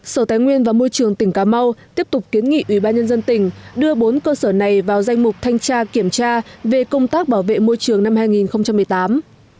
sở tài nguyên và môi trường tỉnh cà mau tiếp tục kiến nghị ủy ban nhân dân tỉnh đưa bốn cơ sở này vào danh mục thanh tra kiểm tra về công tác bảo vệ môi trường năm hai nghìn một mươi tám